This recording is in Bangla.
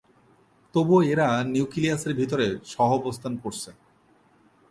তবুও এরা নিউক্লিয়াসের ভিতরে সহাবস্থান করছে।